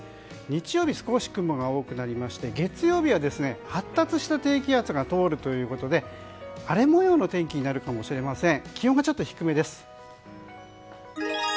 日曜日、少し雲が多くなりまして月曜日は発達した低気圧が通るということで荒れ模様の天気になるかもしれません。